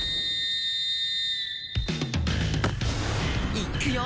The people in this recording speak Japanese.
いっくよ！